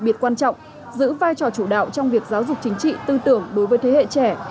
biệt quan trọng giữ vai trò chủ đạo trong việc giáo dục chính trị tư tưởng đối với thế hệ trẻ